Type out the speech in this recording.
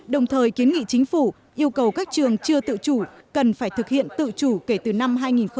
đồng thời kiến nghị chính phủ yêu cầu các trường chưa tự chủ cần phải thực hiện tự chủ kể từ năm hai nghìn một mươi sáu